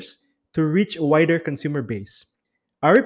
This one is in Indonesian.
untuk mencapai pasaran konsumen yang lebih luas